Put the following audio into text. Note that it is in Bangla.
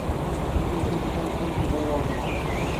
তুমি কি একজন ভালকাইরি?